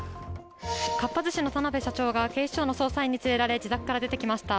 かっぱ寿司の田辺社長が、警視庁の捜査員に連れられ自宅から出てきました。